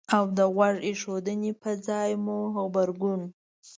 او د غوږ ایښودنې په ځای مو غبرګون